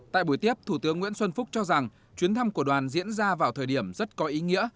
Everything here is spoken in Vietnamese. tại buổi tiếp thủ tướng nguyễn xuân phúc cho rằng chuyến thăm của đoàn diễn ra vào thời điểm rất có ý nghĩa